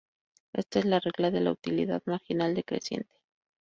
Ésta es la regla de la utilidad marginal decreciente.